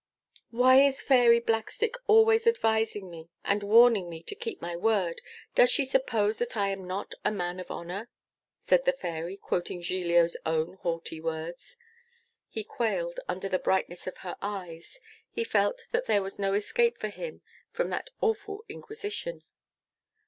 "'Why is Fairy Blackstick always advising me, and warning me to keep my word? Does she suppose that I am not a man of honour?"' said the Fairy, quoting Giglio's own haughty words. He quailed under the brightness of her eyes; he felt that there was no escape for him from that awful inquisition.